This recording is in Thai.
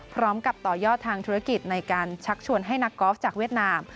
ต่อยอดทางธุรกิจในการชักชวนให้นักกอล์ฟจากเวียดนาม